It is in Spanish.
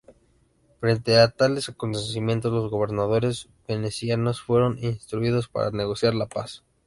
Frente a tales acontecimientos los gobernadores venecianos fueron instruidos para negociar la paz.